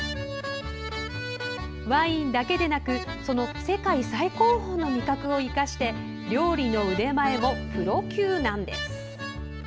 ワインだけでなくその世界最高峰の味覚を生かして料理の腕前もプロ級なんです！